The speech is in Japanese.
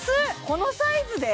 このサイズで！？